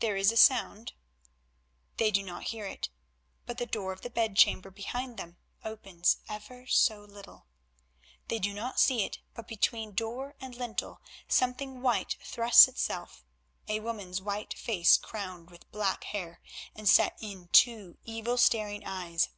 There is a sound. They do not hear it, but the door of the bedchamber behind them opens ever so little. They do not see it, but between door and lintel something white thrusts itself, a woman's white face crowned with black hair, and set in it two evil, staring eyes.